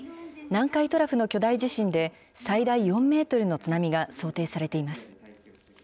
南海トラフの巨大地震で最大４メートルの津波が想定されています。